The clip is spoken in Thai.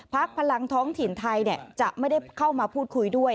พลังท้องถิ่นไทยจะไม่ได้เข้ามาพูดคุยด้วย